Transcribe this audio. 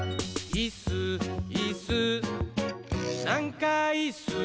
「いっすーいっすーなんかいっすー」